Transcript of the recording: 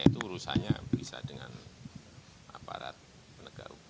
itu urusannya bisa dengan aparat penegak hukum